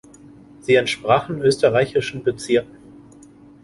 Sie entsprachen österreichischen Bezirken.